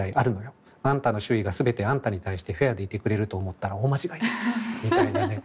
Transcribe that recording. あんたの周囲がすべてあんたに対してフェアでいてくれると思ったら大間違いです」みたいなね